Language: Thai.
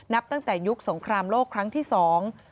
นับตั้งแต่ยุคสงครามโลกครั้งที่สอง